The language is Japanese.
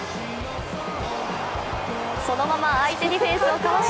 そのまま相手ディフェンスをかわし